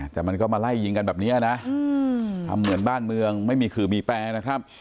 แต่มันก็มาไล่ยิงกันแบบนี้นะทำเหมือนบ้านเมืองไม่มีขื่อมีแปรนะครับ